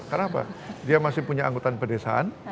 kenapa dia masih punya anggotaan pedesaan